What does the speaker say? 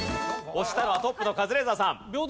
押したのはトップのカズレーザーさん。